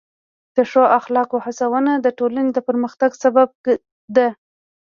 د ښو اخلاقو هڅونه د ټولنې د پرمختګ سبب ده.